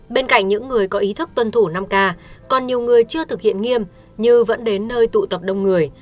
bên cạnh những người có ý thức tuân thủ năm k còn nhiều người chưa thực hiện nghiêm như vẫn đến nơi tụ tập đông người